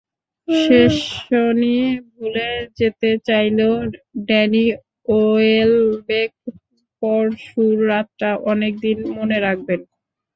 শেসনি ভুলে যেতে চাইলেও ড্যানি ওয়েলবেক পরশুর রাতটা অনেক দিন মনে রাখবেন।